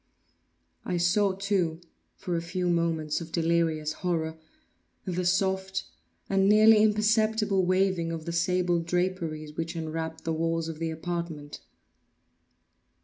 I saw, too, for a few moments of delirious horror, the soft and nearly imperceptible waving of the sable draperies which enwrapped the walls of the apartment.